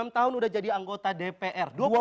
enam tahun udah jadi anggota dpr